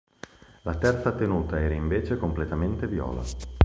La terza tenuta era invece completamente viola.